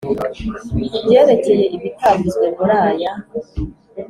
Ku byerekeye ibitavuzwe muri aya